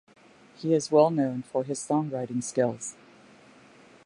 He is well known for his songwriting skills.